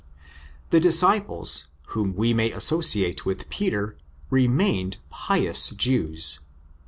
The disciples, whom we may associate with Peter, remained pious Jews.